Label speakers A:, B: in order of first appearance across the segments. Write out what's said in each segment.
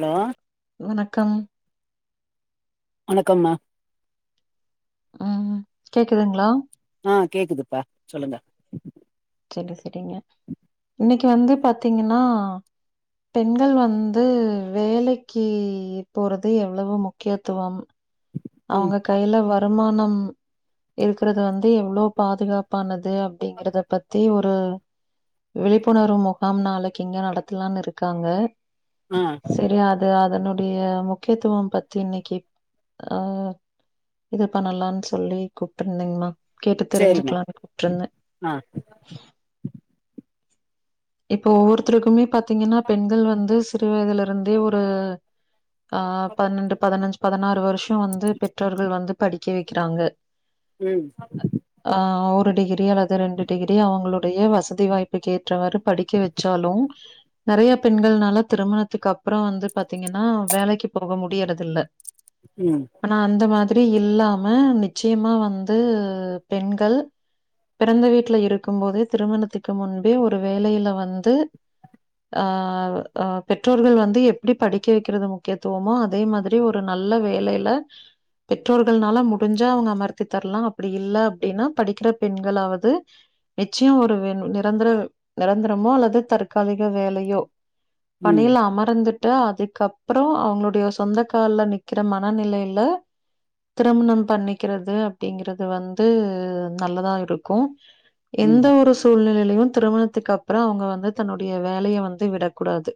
A: ல்லோ
B: வணக்கம்
A: வணக்கம்மா
B: ம் கேக்குதுங்களா
A: ஆ கேக்குதுப்பா சொல்லுங்க
B: செரி செரிங்க இன்னைக்கி வந்து பாத்தீங்கன்னா பெண்கள் வந்து வேலைக்கி போறது எவ்ளவு முக்கியத்துவம்
A: ம்
B: அவுங்க கையில வருமானம் இருக்குறது வந்து எவ்ளோ பாதுகாப்பு பாண்ணது அப்டிங்கறத பத்தி ஒரு விழிப்புணர்வு முகாம் நாளைக்கி இங்க நடத்தலானு இருக்காங்க
A: ஆ
B: செரியத் து அதனுடைய முக்கியத்துவம் பத்தி இன்னக்கி ஆ இது பண்ணலானு சொல்லி கூப்ட்ருந்தீங்ளா
A: செரிமா ஆ
B: இப்ப ஒவ்வொருத்தருக்குமே பாத்தீங்கன்னா பெண்கள் வந்து சிறு வயதுல இருந்தே ஒரு அ பன்னெண்டு பதினஞ்சு பதினாறு வருஷோ வந்து பெற்றோர்கள் வந்து படிக்க வெக்கிறாங்க
A: ம்
B: ஆ ஒரு டிகிரி அல்லது ரெண்டு டிகிரி அவுங்களுடைய வசதி வாய்ப்புக்கு ஏற்றவாறு படிக்க வெச்சாலு நெறய பெண்கள்னால திருமணத்துக்கு அப்புறோ வந்து பாத்தீங்கன்னா வேலைக்கி போக முடியறதில்ல
A: ம்
B: ஆனா அந்த மாதிரி இல்லாம நிச்சயமா வந்து பெண்கள் பிறந்த வீட்ல இருக்கும் போதே திருமணத்துக்கு முன்பே ஒரு வேலையில வந்து ஆ அ பெற்றோர்கள் வந்து எப்டி படிக்க வைக்கிறது முக்கியத்துவமோ அதே மாதி ரி ஒரு நல்ல வேலையில பெற்றோர்கள்னால முடிஞ்சா அவுங்க அமர்த்தி தரலா அப்டி இல்ல அப்டினா படிக்கிற பெண்களாவது நிச்சியோ ஒரு வேணு நிரந்தர நெரந்தரமோ அல்லது தற்காலிக வேலையோ
A: ம்
B: பணியில அமர்ந்துட் டா அதுக்கப்றோ அவுங்களுடைய சொந்த கால்ல நிக்கிற மனநிலையில திருமணம் பண்ணிக்கிறது அப்டிங்கறது வந்து நல்லதா இருக்கு
A: ம்
B: எந்த ஒரு சூழ்நிலையிலையும் திருமணத்துக்கு அப்றோ அவுங்க வந்து தன்னுடைய வேலைய வந்து விடக் கூடாது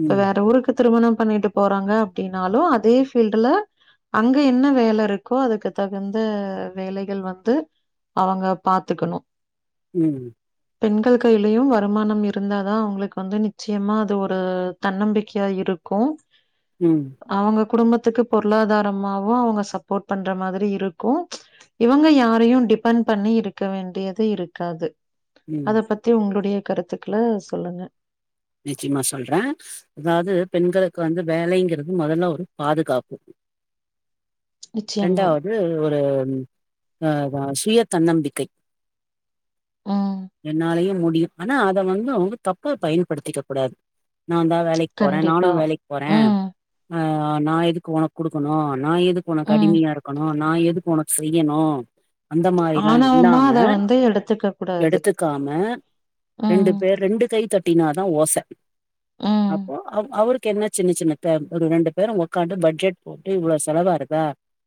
B: இப்ப வேற ஊருக்கு திருமணம் பண்ணிட்டு போறாங்க அப்டினாலு அதே பீல்டுல அங்க என்ன வேல இருக்கோ அதுக்கு தகுந்த வேலைகள் வந்து அவங்க பாத்துக்கணு
A: ம்
B: பெண்கள் கையிலயும் வருமானம் இருந்த தா அவுங்களுக்கு வந்து நிச்சயமா அது ஒரு தன்னம்பிக்கையா இருக்கு
A: ம்
B: அவுங்க குடும்பத்துக்கு பொருளாதாரமாவு அவுங்க சப்போர்ட் பண்ற மாதிரி இருக்கு இவுங்க யாரையு டிபெண்ட் பண்ணி இருக்க வேண்டியது இருக்காது
A: ம்
B: அத பத்தி உங்களுடைய கருத்துக்கள சொல்லுங்க
A: நிச்சயமா சொல்ற அதாவது பெண்களுக்கு வந்து வேலங்கிறது முதல்ல ஒரு பாதுகாப்பு
B: நிச்சயமா.
A: ரெண்டாவது ஒரு அ வ சுய தன்னம்பிக்கை
B: ம்.
A: என்னாலயையு முடியு ஆனா அத வந்து அவுங்க தப்ப பயன்படுத்திக்க கூடாது நா தா வேலைக் போற நானு
B: கண்டிப்பா.
A: வேலைக்கு போறே
B: ம்.
A: ஆ நா எதுக்கு உனக்கு குடுக்கணு நா எதுக்கு உனக்கு
B: ம்.
A: அடிமையா இருக்கணு நா எது ஒனக்கு செய்யணு அந்த மாரில்லா
B: ஆணவமா
A: இல்லாம
B: அத வந்து எடுத்துக்க கூடாது
A: எடுத்துக்காம ரெண்டு
B: ம்
A: பேர் ரெண்டு கை தட்டினாதா ஓச
B: ம்
A: அப்போ அ அவருக் கென்ன சின்ன சின்ன ஒரு ரெண்டு பேரும் உக்காந்து பட்ஜெட் போட்டு இவ்ளோ செலவா இருக்கா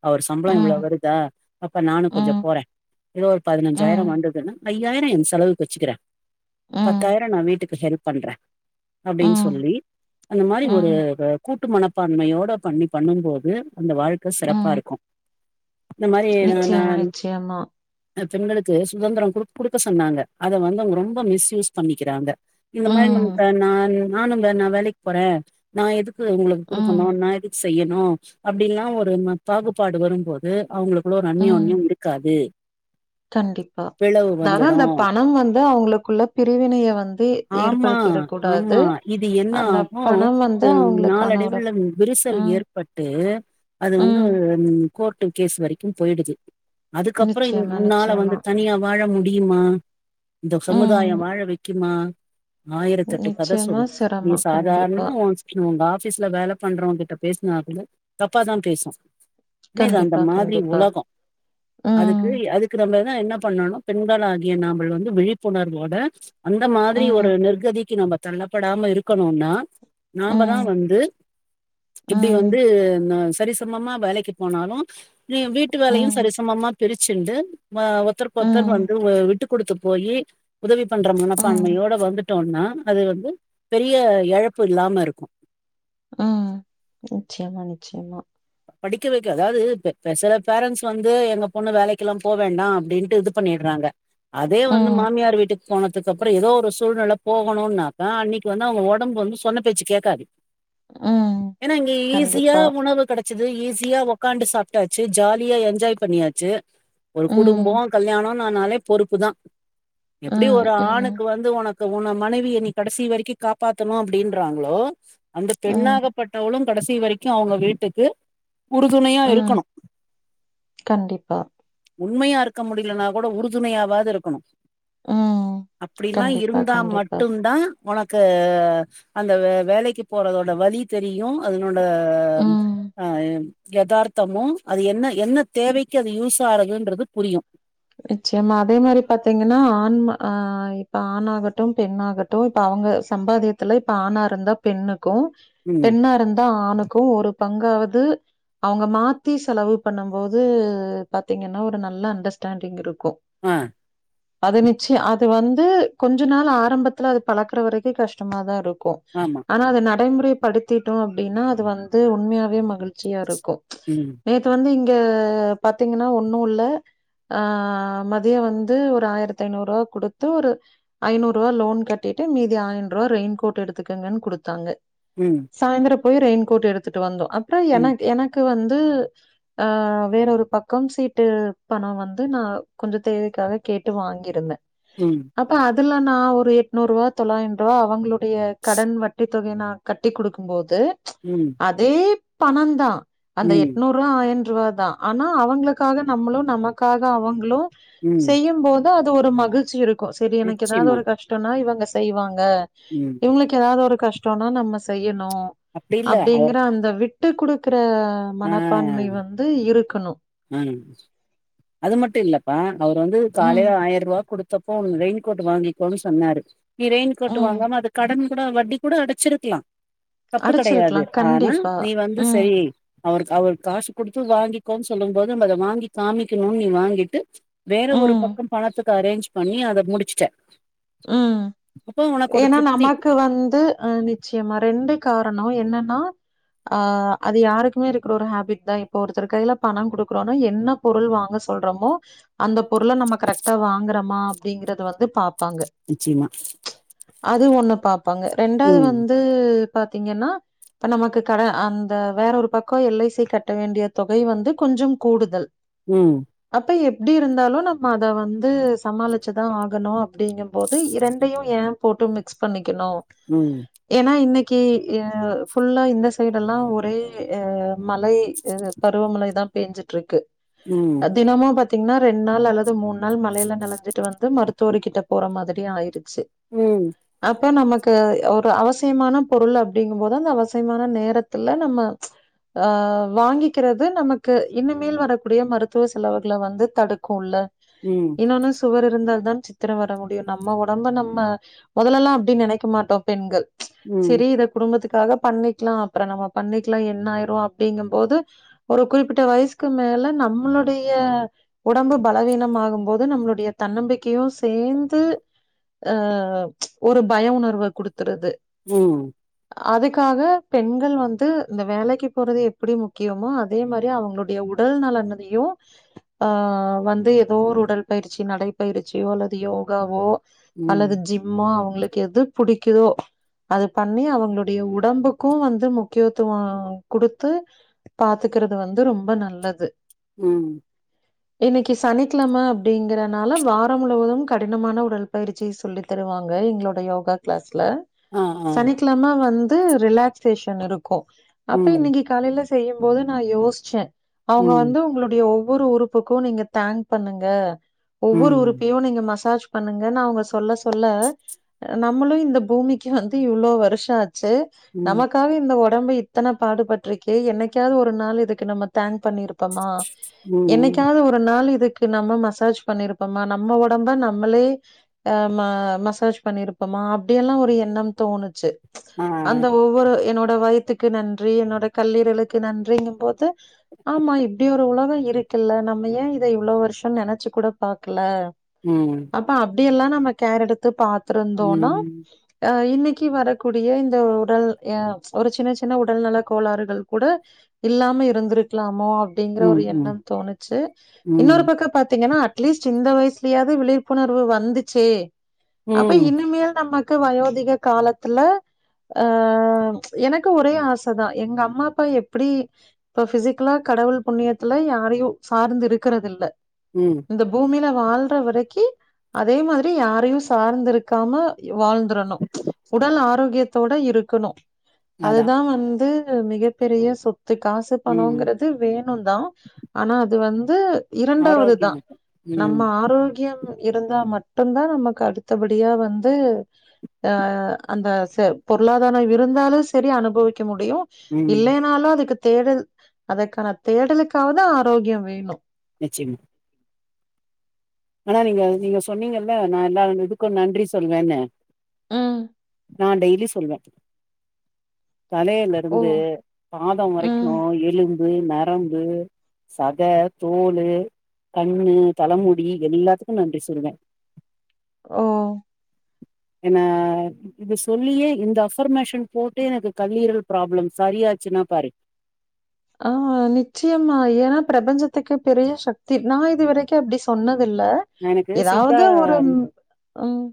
A: அவர் சம்பளம்
B: ம்
A: இவ்ளவு வருதா அப்ப நானு கொஞ்ச
B: ம்
A: போறே ஏதோ ஒரு
B: ம்
A: பதினஞ்சாயிரம் வந்ததுன்னா ஐயாயிரம் என் செலவுக்கு வச்சுக்கிறே
B: ம்
A: பத்தாயிரம் நா வீட்டுக்கு ஹெல்ப் பண்றே அப்டின்னு
B: ம்
A: சொல்லி அந்த மாரி ஒரு
B: ம்
A: கூட்டு மனப்பான்மையோட பண்ணி பண்ணும்போது அந்த வாழ்க்க
B: ம்
A: சிறப்பாருக்கு இந்த மாரி நா
B: நிச்சயமா
A: நான்
B: நிச்சயமா
A: பெண்களுக்கு சுதந்திரம் குடுக் குடுக்க சொன்னாங்க அத வந்த அவுங்க ரொம்ப மிஸ்யூஸ் பண்ணிக்கிறாங்க இந்த மாரி
B: ம்
A: நம் நான் நானும்ங்க நா வேலைக் போற நா எதுக்கு உங்களுக்கு குடுக்கணு
B: ம்
A: நா எதுக்கு செய்யன்னு அப்படின்லா பிரேமா பாகுபாடு வரும்போது அவங்களுக்குள்ள ஒரு
B: ம்
A: அன்னியொன்னியம் இருக்காது
B: கண்டிப்பா
A: பிளவு
B: அதா
A: வந்துடு
B: இந்த பணம் வந்து அவங்களுக்குள்ள பிரிவினைய வந்து
A: ஆமா
B: ஏற்படுத்திடக் கூடாது
A: ஆமா இது என்ன
B: அந்த பணம் வந்து
A: ஆகு
B: அவங்களுக்கான ஒரு
A: நாளடைவுல விரிசல்
B: ம்
A: ஏர் ப்பட்டு அது வந்து
B: ம்
A: கோர்ட்டு கேஸ் வரைக்கு போயிடுது அதுக்கப்றோ இந்
B: நிச்சயமா
A: முன்னால வந்து
B: நிச்சயமா
A: தனியா வாழ முடியுமா இந்த
B: ம்
A: சமுதாயம் வாழ வைக்குமா ஆயிரத்தெட்டு கத
B: நிச்சயமா
A: சொல்லு நீ
B: சிரமம் கண்டிப்பா
A: சாதாரணமா உ உங்க ஆஃபீஸ்ல வேல பண்றவங்க கிட்ட பேசுனா கூட ப்பா தான் பேசும் ஏன்னா இது அந்த
B: கண்டிப்பா
A: மாதிரி
B: கண்டிப்பா
A: உலகம்
B: ம்
A: அதுக்கு அதுக் அதுக்கு நம்பல்லா என்ன பண்ணணும் பெண்கள் ஆகிய நாமல் வந்து விழிப்புணர்வோட அந்த மாதிரி ஒரு
B: ம்
A: நிர்கதிக்கு நம்ம தள்ளப்படாம இருக்கணுனா
B: ம்
A: நாமதான் வந்து இப்புடி
B: ம்
A: வந்து ந சரிசமமா வேலைக்கு போனாலும் நீ வீட்டு
B: ம்
A: வேலையும் சரிசமமா பிரிச்சுண்டு மா ஒத்தருக்கொத்தர்
B: ம்
A: வந்து விட்டு கொடுத்து போய் உதவி பண்ற
B: ம்
A: மனப்பான்மையோட வந்துட்டோம்னா அது வந்து பெரிய எழப்பு இல்லாம இருக்கும்
B: உம் நிச்சியமா நிச்சியமா
A: படிக்க வைக்க அதாவது சில பேரன்ஸ் வந்து எங்க பொண்ணு வேலைக்கெல்லாம் போ வேண்டாம் அப்படின்னுட்டு இது பண்ணிறாங்க அதே வந்து
B: ம்
A: மாமியார் வீட்டுக்கு போனதுக்கு அப்புறம் ஏதோ ஒரு சூழ்நில போகணும்னாக்கா அன்னைக்கு வந்து அவங்க உடம்பு வந்து சொன்ன பேச்சு கேக்காது
B: ம்
A: ஏன்னா இங்க ஈஸியா
B: கண்டிப்பா
A: உணவு ச்சுது ஈஸியா உக்காண்டு சாப்ட்டாச்சு ஜாலியா என்ஜாய் பண்ணியாச்சு ஒரு
B: ம்
A: குடும்பொ கல்யாணொன் ஆனாலே பொறுப்பு தான் எப்டி
B: ம்
A: ஒரு
B: ம்
A: ஆணுக்கு வந்து உனக் கு உன மனைவிய நீ கடைசி வரைக்கும் காப்பாத்தணும் அப்படின்றாங்களோ அந்த
B: ம்
A: பெண்ணாகப்பட்டவளும் கடைசி வரைக்கும் அவுங்க வீட்டுக்கு உறுதுணையா
B: ம்
A: இருக்குணும்
B: கண்டிப்பா
A: உண்மையா இருக்க முடியலனா கூட உறுதுணையாவாது இருக்குணும்
B: ம்
A: அப்புடிலாம்
B: கண்டிப்பா
A: இருந்தா
B: கண்டிப்பா
A: மட்டும்தான் உனக்கு அந்த வ வேலைக்கு போறதோட வழி தெரியும் அதனோட
B: ம்
A: யதார்த்தமும் அது என்ன என்ன தேவைக்கு அது யூஸ் ஆறதுன்றது புரியும்
B: நிச்சயமா அதே மாரி பாத்தீங்கன்னா ஆண் ஆ இப்ப ஆண் ஆகட்டும் பெண்ணாக ட்டும் இப்ப அவுங்க சம்பாதியத்துல இப்ப ஆணா இருந்தா பெண்ணுக்கும்
A: ம்
B: பெண்ணா இருந்தா ஆணுக்கும் ஒரு பங்காவது அவுங்க மாத்தி செலவு பண்ணும் போது பாத்தீங்கன்னா ஒரு நல்ல அண்டர்ஸ்டாண்டிங் இருக்கும்
A: ஆ
B: அது நிச்சியு அது வந்து கொஞ்ச நாள் ஆரம்பத்துல அது பழக்குற வரைக்கும் கஷ்டமாதான் இருக்கும்
A: ஆமா
B: ஆனா அது நடைமுறை படுத்திட்டோம் அப்புடின்னா அது வந்து உண்மையாவே மகிழ்ச்சியா இருக்கும்
A: ம்
B: நேத்து வந்து இங்க பாத்தீங்கன்னா ஒன்னும் இல்ல ஆ மதியம் வந்து ஒரு ஆயிரத்தி ஐநூறு ரூவா கொடுத்து ஒரு ஐநூறுவா லோன் கட்டிட்டு மீதி ஆயன்ரூபா ரெயின்கோட் எடுத்துக்கங்கன்னு கொடுத்தாங்க
A: ம்
B: சாயந்தரம் போய் ரெயின்கோட் எடுத்துட்டு வந்தோம் அப்புறம்
A: ம்
B: எனக் எனக் கு வந்து அ வேற ஒரு பக்கம் சீட்டு பணம் வந் து நா கொஞ்சம் தேவைக்காக கேட்டு வாங்கியிருந்தேன்
A: ம்
B: அப்ப அதுல நா ஒரு எட்நூறு ரூபா தொள்ளாயன்ரூபா அவங்களுடைய கடன் வட்டி தொகை நா கட்டி் கொடுக்கும் போது
A: உம்
B: அதே பணந்தா அந்த எட்நூறு ரூவா ஆயிண் ரூவா தா ஆனா அவுங்களுக்காக நம்மளு நமக் காக அவங்களு
A: ம்
B: செய்யு போது அது ஒரு மகிழ்ச்சி இருக்கு செரி எனக்கு ஏதாது
A: நிச்சயமா
B: ஒரு கஷ் ட்டோனா இவுங்க செய்வாங்க
A: ம்
B: இவுங்ளுக்கு ஏதாது ஒரு கஷ்டோனா நம்ம செய்யணு
A: அப்டி இல்ல
B: அப்டிங்ற
A: அவர்
B: அந்த விட்டு குடுக்குற மனப்பான்மை வந்து இருக்கணு
A: ம் அது மட்டு இல்லப்பா அவர் வந்து
B: ம்,
A: காலைய ஆயிர ரூபா குடுத் தபோ ரெயின்கோட் வாங்கிக்கோனு சொன்னாரு நீ ரெயின்கோட்
B: ம்.
A: வாங்காம அது கடன் கூட வட்டி கூட அடச்சிருக்லா தப்பு கெடயாது
B: அடிச்சிருக்கலாம்.
A: ஆனா
B: கண்டிப்பா.
A: நீ வந்து
B: ம்,
A: செரி அவருக்கு அவரு காசு குடுத்து வாங்கிக்கோன் சொல்லும் போது நம்ம அத வாங்கி காமிக்கணு நீ வாங்கிட்டு வேற ஒரு
B: ம்,
A: பக்கோ பணத்துக்கு அரேஞ்ச் பண்ணி அத முடிச்சுட்ட
B: ம்
A: அப்போ உனக்கு ஒரு
B: ஏன்னா
A: திருப்தி
B: நமக்கு வந்து அ நிச்சயமா ரெண்டு காரணோ என்னன்னா ஆ அது யாருக்குமே இருக்கிற ஒரு ஹேபிட் தா இப்ப ஒருத்தர் கைல பணம் குடுக்குறோனா என்ன பொருள் வாங்க சொல்றோமோ அந்த பொருள நம்ம கரெக்டா வாங்றமா அப்டிங்கறத வந்து பாப்பாங்க
A: நிச்சியமா
B: அது ஒண்ணு பாப்பாங்க ரெண்டாது
A: ம்
B: வந்து பாத்தீங்கன்னா இப்ப நமக்கு கடன் அந்த வேற ஒரு பக்கோ எல் ஐ சி கட்ட வேண்டிய தொகை வந்து கொஞ்சோ கூடுதல்
A: ம்
B: அப்ப எப்டி இருந்தாலு நம்ம அத வந்து சமாளிச்சிதா ஆகணு அப்டிங்கு போது இரண் டையு ஏ போட்டு மிக்ஸ் பண்ணிக்கணு
A: ம்
B: ஏன்னா இன்னைக்கி ஏ ஃபுல்லா இந்த சைடு எல்லா ஒரே ஆ மழை இது பருவ மழைதா பேஞ்சுட் இருக்கு
A: ம்
B: தினமு பாத்தீங்னா ரெண்ட் நாள் அல்லது மூணு நாள் மழைல நிலஞ்சிட்டு வந்து மருத்துவர் கிட்ட போற மாதிரி ஆயிரு ச்சு
A: ம்
B: அப்ப நமக் கு ஒரு அவசியமான பொருள் அப்டிங்க போது அந்த அவசியமான நேரத்துல நம்ம அ வாங்கிக்கிறது நமக்கு இனிமேல் வரக்கூடிய மருத்துவ செலவுகள வந்து தடுக்குல
A: ம்
B: இன்னொன்னு சுவர் இருந்தால் தான் சித்திர வர முடியு நம்ம உடம்ப நம்ம முதலெல்லா அப்டி நெனைக்க மாட்டோ பெண்கள்
A: ம்
B: செரி இத குடும்பத்துக்காக பண்ணி க்கலா அப்பறோ நம்ம பண்ணிக்லா என்னாயிருவோ அப்டிங்க போது ஒரு குறிப்பிட்ட வயசுக்கு மேல நம்ளுடைய உடம்பு பலவீனம் ஆகும் போது நம்மளுடைய தன்னம்பிக்கையு சேந்து அ ஒரு பய உணர்வ குடுத்துருது
A: ம்
B: அதுக்காக பெண்கள் வந்து இந்த வேலைக்கு போறது எப்டி முக்கியமோ அதே மாரி அவுங்ளோ ட உடல் நலனதையு ஆ வந்து ஏதோ ஒரு உடல் பயிற்சி நடைப்பயிற்சியோ அல்லது யோகாவோ
A: ம்
B: அல்லது ஜிம் ஓ அவுங்களுக்கு எது புடிக்குதோ அது பண்ணி அவுங்களுடைய உடம்புக்கு வந்து முக்கியத்துவோ குடுத்து பாத்துக்கறது வந்து ரொம்ப நல்லது
A: ம்
B: இன்னிக்கி சனிக்கிழம அப்டிங்கறனால வார முழுவதும் கடினமான உடல் பயிற் ச்சி சொல்லி தருவாங்க எங்களோட யோகா க்ளாஸ்ல
A: ஆ ஆ
B: அது இல்லாம வந்து ரிலாக்சேஷன் இருக்கு அப்ப
A: ம்
B: இன்னைக்கி காலைல செய்யும் போது நா யோஸ்ச்சே அவுங்க
A: ம்
B: வந்து உங்களுடைய ஒவ் வொரு உறுப்புக்கு நீங்க தேங்க் பண்ணுங்க ஒவ்வொரு
A: ம்
B: உறுப்பயு நீங்க மசாஜ் பண்ணுங்கனு அவுங்க சொல்ல சொல்ல நம்மளு இந்த பூமிக்கு வந்து இவ்ளோ வருஷோ ஆச்சு
A: ம்
B: நமக்காக இந்த உடம்பு இத்தன பாடுபட்ருக்கே என்னைக்காவது ஒரு நாள் இதுக்கு நம்ம தேங்க் பண்ணிருப்போமா
A: ம்
B: என்னைக்காவுது ஒரு ஒரு நாள் இதுக்கு நம்ம மசாஜ் பண்ணிருப்போம்மா நம்ம உடம்ப நம்மளே ஆமா மசாஜ் பண்ணிருப்போமா அப்புடியெல்லா ஒரு எண்ணம் தோணுச்சு
A: ஆ
B: அந்த ஒவ்வொரு என்னோட வயத்துக்கு நன்றி என்னோட கல்லீரலுளுக்கு நன்றிங்கும் போது ஆமா இப்புடி ஒரு உலக இருக்குல்ல நம்ம ஏன் இத இவ்வுளவு வருஷ நெனைச்சு கூட பாக்கல
A: ம்
B: அப்ப அப்புடிய எல்லா நம்ம கேர் எடுத்து பாத்துருந்தோனா
A: ம்
B: ஆ இன்னைக்கு வரக்கூடிய இந்த உடல் ஆ ஒரு சின்ன சின்ன உடல் நல கோளாறுகள் கூட இல்லாம இருந்திருக்கலாமோ அப்புடிங்கிற
A: ம்
B: ஒரு
A: ம்
B: எண்ணம் தோணுச்சு
A: ம்
B: இன்னொரு பக்கம் பாத்தீங்கன்னா அட்லீஸ் இந்த வயசுலயாவது விழிப்புணர்வு வந்துச்சே அப்ப
A: ம்
B: இனிமேல் நம்ம க்கு வயோதிகா காலத்துல ஆ எனக்கு ஒரே ஆசை தா எங்க அம்மா அப்பா எப்புடி இப்ப பிசிக்கலா கடவுள் புண்ணியத்துல யாரையு சார்ந்து இருக்கறது இல்ல
A: ம்
B: இந்த பூமியில வாழ்ற வரைக்கி அதே மாறி யாரையு சார்ந்து இருக்காம வாழ்ந்துரணு உடல் ஆரோக்கியத்தோட இருக்கணு அது
A: அதா
B: தா வந்து மிகப் பெரிய சொத்து காசு பண
A: ம்
B: ங்கிறது வேணு தா ஆனா அது வந்து இரண்டாவது தா
A: ஆரோக்கியமிக்க
B: நம்ம
A: ம்
B: ஆரோக்கியம் இருந்தா மட் மட்டு தா நமக்கு அடுத்த படியா வந்து ஆ அந்த ச பொருளாதார இருந்தாலு சரி அனுபவிக்க முடியும்
A: ம்
B: இல்லைனாலு அதுக்கு தேடல் அதுக்கான தேடலுக்காக தா ஆரோக்கியம் வேணு
A: நிச்சயமா ஆனா நீங்க நீங்க சொன்னீங்கல்ல நா எல்லாரு இதுக்கு நன்றி சொல்லு வேன்னு
B: ம்
A: நா டெய்லி சொல்லுவே தலையில
B: ஓ.
A: இருந்து பாதம்
B: ம்.
A: வரைக்கு எலும் பு நரம்பு சத தோலு கண்ணு தலைமு டி எல்லாத்துக்கு நன்றி சொல்லுவே
B: ஓ
A: என்ன இது சொல்லியே இந்த அஃபர்மேஷன் போட்டு எனக்கு கல்லீரல் ப்ராப்ளம் சரியாச்சுன்னா பாரு
B: ஆ நிச்சயமா ஏன்னா பிரபஞ்சத்துக்கு பெரிய சக்தி நா இதுவரைக்கு அப்புடி சொன்னதில்ல
A: நா எனக்கு சித்தா
B: ஏதாவது ஒரு ம்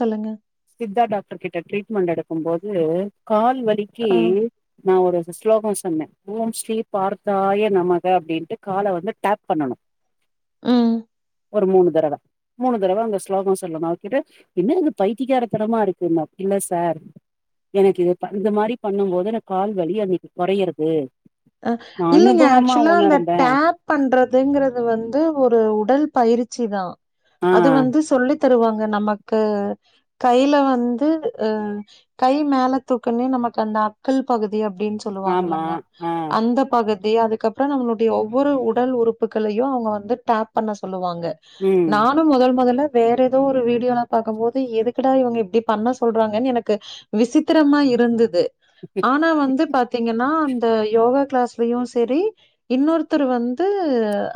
B: சொல்லுங்க
A: சித்தா டாக்டர் கிட்ட ட்ரீட்மெண்டட் எடுக்கு போது கால் வலிக்கு
B: ஆ.
A: நா ஒரு ஸ்லோக சொன்னே ஓம் ஸ்ரீ பார்த்தாயே நமக அப்புடின்ட்டு காலா வந்து டேப் பண்ணனு
B: ம்
A: ஒரு மூணு தடவை மூணு தடவை அங்க ஸ்லோகம் சொல்லு போது அவர்கிட்ட என்னது இது பை த்தியக்காரத்தனமா இருக்குன்னரு இல்ல சார் எனக்கு இது இந்த மாறி பண்ணு போது எனக் கால்வலி அன்னைக்கு குறையறது
B: ஆ இல்லைங்க ஆக்சுவலா அந்த டப் பண்றதுங்கிறது வந்து ஒரு உடல் பயிற்சி தா
A: ஆ
B: அது வந்து சொல்லி தருவாங்க நமக்கு கையில வந்து ஆ கை மேல தூக்குன்னுன நமக்கு அந்த அக்கிள் பகுதி அப்புடின்னு சொல்லு வாங்க
A: ஆமா
B: இல்லங்க
A: ஆ
B: அந்த பகுதி அதுக்கப்புறம் நம்மளுடைய ஒவ்வொரு உடல் உறுப்புகளையு அவுங்க வந்து டேப் பண்ண சொல்லு வாங்க
A: ம்
B: நா னு மொதன் மொதல்ல வேற எதோ ஒரு வீடியோலா பாக்கம் போது எதுக்குடா இவுங்க இப்டி பண்ண சொல்றாங்கன் எனக்கு விசித்திரமா இருந்துது ஆனா வந்து பாத்தீங்கன்னா அந்த யோகா க்ளாஸ்லயு செரி இன்னொருத்தர் வந்து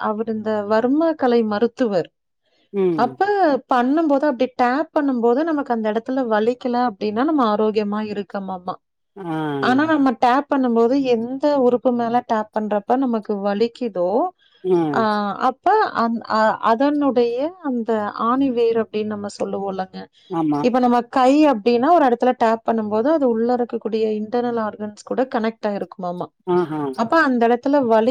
B: அவர் இந்த வர்மா கலை மருத்துவர்
A: ம்
B: அப்ப பண்ணும் போது அப்டி டேப் பண்ணும் போது நமக்கு அந்த எடத்துல வலிக்கல அப்டினா நம்ம ஆரோக்கியமா இருக்கமாமா
A: ஆ
B: ஆனா நம்ம டேப் பண்ணும் போது எந்த உறுப் க்கு மேல டேப் பண்றப்ப நமக்கு வலிக்குதோ அ
A: ம்
B: அப் ப அந் அ அதனுடைய அந்த ஆணிவேர் அப்டின் நம்ம சொல்லுவோல்லங்க
A: ஆமா
B: இப்ப நம்ம கை அப்டினா ஒரு எடத்துல டேப் பண்ணும்போது அது உள்ள இருக்கக்கூடிய இன்டர்னல் ஆர்கன்ஸ் கூட கனெக்ட்டாயிருக்குமாமா
A: ஆஹா
B: அப்ப அந்த எடத்துல வலி